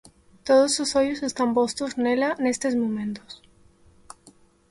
Todos os ollos están postos nela nestes momentos.